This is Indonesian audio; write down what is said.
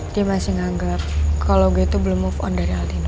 dia masih nganggep kalo gue itu belum move on dari altino